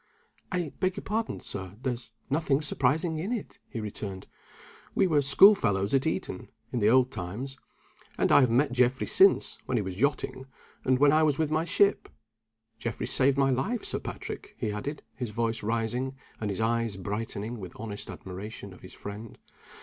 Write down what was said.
"I beg your pardon, Sir there's nothing surprising in it," he returned. "We were school fellows at Eton, in the old times. And I have met Geoffrey since, when he was yachting, and when I was with my ship. Geoffrey saved my life, Sir Patrick," he added, his voice rising, and his eyes brightening with honest admiration of his friend.